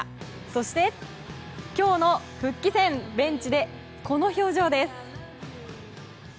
そして、今日の復帰戦ベンチで、この表情です。